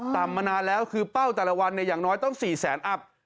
มานานแล้วคือเป้าแต่ละวันอย่างน้อยต้อง๔แสนอัพ